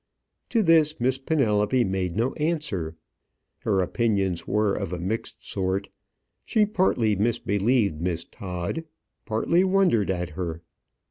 To this Miss Penelope made no answer. Her opinions were of a mixed sort. She partly misbelieved Miss Todd partly wondered at her.